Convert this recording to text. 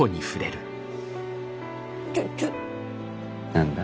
何だ